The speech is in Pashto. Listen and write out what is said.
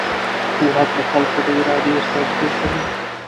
واک د خلکو د ارادې استازیتوب کوي.